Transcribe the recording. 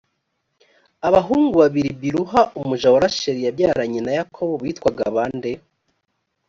abahungu babiri biluha umuja wa rasheli yabyaranye na yakobo bitwaga bande